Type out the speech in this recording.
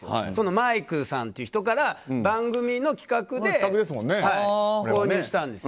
マイクさんという人から番組の企画で購入したんです。